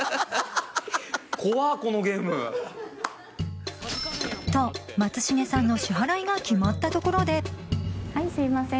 怖っこのゲーム。と松重さんの支払いが決まったところではいすいません